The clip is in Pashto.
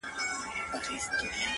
هغه د صحنې له وضعيت څخه حيران ښکاري،